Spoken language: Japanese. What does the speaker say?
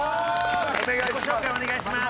お願いします！